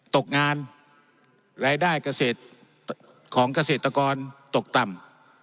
ตกงานรายได้เกษตรของเกษตรกรตกต่ำ